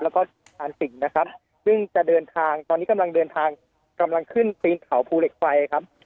แล้วก็ทานสิ่งนะครับซึ่งจะเดินทางตอนนี้กำลังเดินทางกำลังขึ้นตีนเขาภูเหล็กไฟครับ